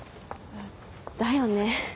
だよね。